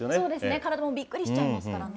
体もびっくりしちゃいますからね。